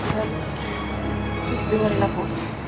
terus dengerin aku